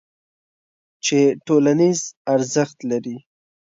چې ټولنیز ارزښت لري.